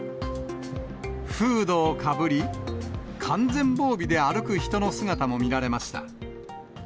フードをかぶり、完全防備で歩く人の姿も見られました。